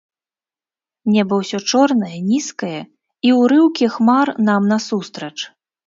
Неба ўсё чорнае, нізкае, і ўрыўкі хмар нам насустрач.